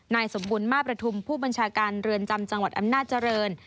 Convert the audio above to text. นายสมบูรณมาประทุมผู้บัญชาการเรือนจำจังหวัดอำนาจริง